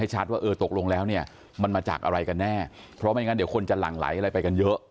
ชัดว่าเออตกลงแล้วเนี่ยมันมาจากอะไรกันแน่เพราะไม่งั้นเดี๋ยวคนจะหลั่งไหลอะไรไปกันเยอะ